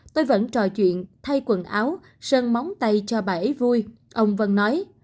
tôi vẫn trò chuyện thay quần áo sơn móng tay cho bà ấy vui ông vân nói